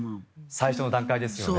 最初の段階ですよね。